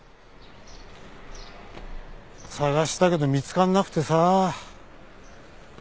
捜したけど見つかんなくてさ。